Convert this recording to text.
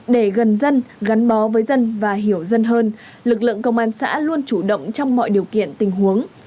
để gần dân gắn bó với dân và hiểu dân hơn lực lượng công an xã luôn chủ động trong mọi điều kiện tình huống